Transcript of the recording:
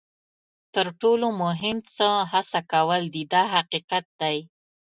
تر ټولو مهم څه هڅه کول دي دا حقیقت دی.